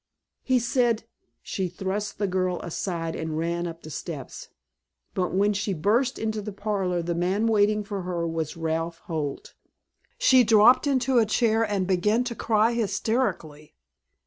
He said " She thrust the girl aside and ran up the steps. But when she burst into the parlor the man waiting for her was Ralph Holt. She dropped into a chair and began to cry hysterically.